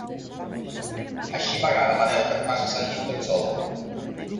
Així m'agrada, Manel, que et facis el llit tot sol.